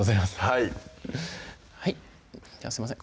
はいじゃあすいません